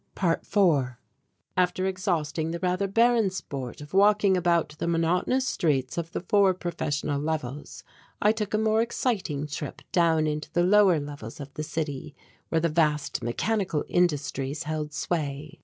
~4~ After exhausting the rather barren sport of walking about the monotonous streets of the four professional levels I took a more exciting trip down into the lower levels of the city where the vast mechanical industries held sway.